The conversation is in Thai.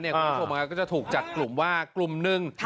คุณผู้ชมก็จะถูกจัดกลุ่มว่ากลุ่มหนึ่ง